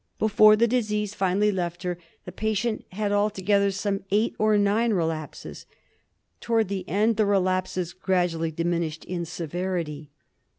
Before the disease finally left her the patient had altogether some eight or nine relapses. Towards the end the relapses gradually diminished in severity.